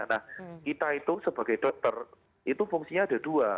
nah kita itu sebagai dokter itu fungsinya ada dua